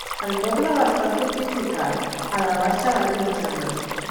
El poble va estar fortificat, a la Baixa Edat Mitjana.